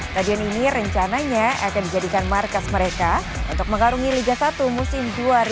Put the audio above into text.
stadion ini rencananya akan dijadikan markas mereka untuk mengarungi liga satu musim dua ribu dua puluh empat dua ribu dua puluh lima